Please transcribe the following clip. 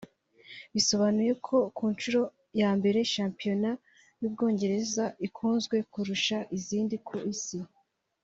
Bisobanuye ko ku nshuro ya mbere shampiyona y’u Bwongereza ikunzwe kurusha izindi ku Isi